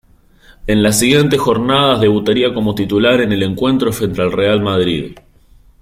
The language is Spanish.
En las siguientes jornadas debutaría como titular en el encuentro frente al Real Madrid.